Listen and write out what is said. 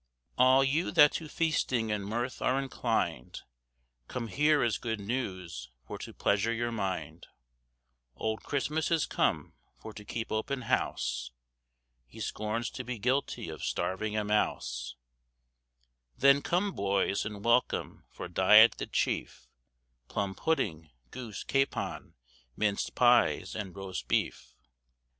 "All you that to feasting and mirth are inclin'd, Come here is good news for to pleasure your mind; Old Christmas is come for to keep open house, He scorns to be guilty of starving a mouse; Then come, boys, and welcome for diet the chief, Plum pudding, goose, capon, minc'd pies and roast beef.